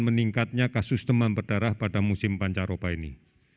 meningkatnya kasus demam berdarah pada musim pancaroba ini